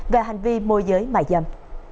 về hành vi môi giới mại dâm